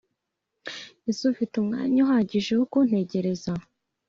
Ese ufite umwanya uhagije wo kuntegereza